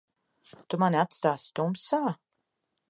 Tu mani atstāsi tumsā?